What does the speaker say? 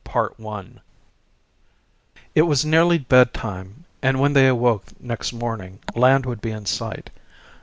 VII Rain It was nearly bed time and when they awoke next morning land would be in sight.